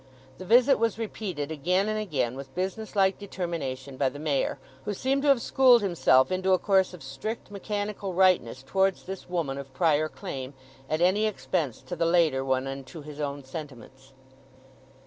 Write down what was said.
The visit was repeated again and again with business like determination by the Mayor, who seemed to have schooled himself into a course of strict mechanical rightness towards this woman of prior claim, at any expense to the later one and to his own sentiments.